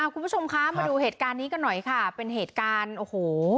คุณผู้ชมคะมาดูเหตุการณ์นี้กันหน่อยค่ะเป็นเหตุการณ์โอ้โห